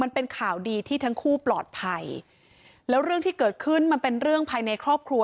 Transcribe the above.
มันเป็นข่าวดีที่ทั้งคู่ปลอดภัยแล้วเรื่องที่เกิดขึ้นมันเป็นเรื่องภายในครอบครัว